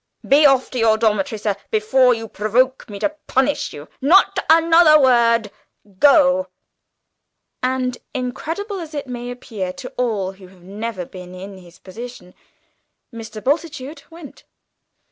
Be off to your dormitory, sir, before you provoke me to punish you. Not another word! Go!" And, incredible as it may appear to all who have never been in his position, Mr. Bultitude went.